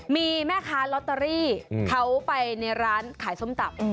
มีแม่ค้าลอตเตอรี่เขาไปในร้านขายส้มตำ